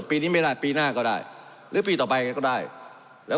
ปีนี้ไม่ได้ปีหน้าก็ได้หรือปีต่อไปก็ได้แล้ว